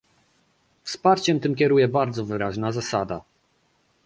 Wsparciem tym kieruje bardzo wyraźna zasada